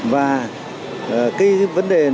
và khi mà người ta tiến hành phanh